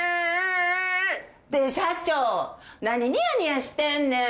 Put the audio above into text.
社長何ニヤニヤしてんねん。